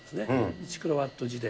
１キロワット時で。